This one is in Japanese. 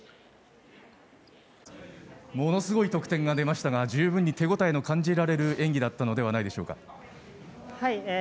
ものすごい得点が出ましたが手応えの感じられる演技だったのではないでしょうか。